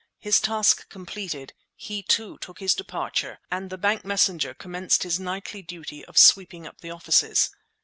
His task completed, he, too, took his departure and the bank messenger commenced his nightly duty of sweeping up the offices.